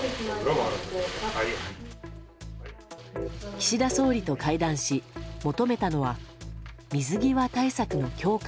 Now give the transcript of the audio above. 岸田総理と会談し、求めたのは水際対策の強化。